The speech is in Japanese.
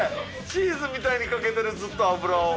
チーズみたいにかけてるずっと脂を。